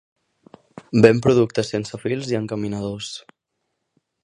Ven productes sense fil i encaminadors.